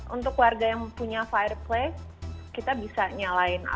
untuk warga yang punya fireplace kita bisa nyalain